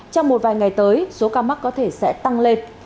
trong một vài ngày tới số ca mắc có thể sẽ tăng lên